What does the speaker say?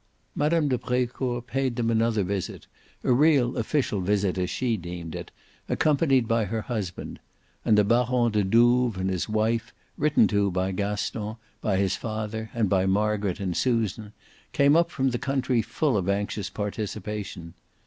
Mme. de Brecourt paid them another visit, a real official affair as she deemed it, accompanied by her husband; and the Baron de Douves and his wife, written to by Gaston, by his father and by Margaret and Susan, came up from the country full of anxious participation.